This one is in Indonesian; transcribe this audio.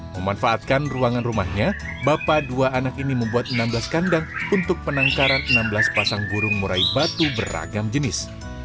memanfaatkan ruangan rumahnya bapak dua anak ini membuat enam belas kandang untuk penangkaran enam belas pasang burung murai batu beragam jenis